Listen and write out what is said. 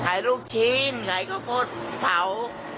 หายลูกชิ้นหายข้าวปดเผา